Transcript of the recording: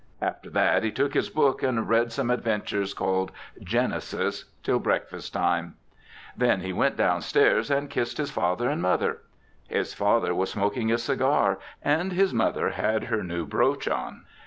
After that he took his book and read some adventures called "Genesis" till breakfast time. Then he went downstairs and kissed his father and mother. His father was smoking a cigar, and his mother had her new brooch on.